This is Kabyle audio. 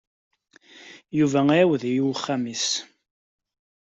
Yuba iɛawed i uxxam-is.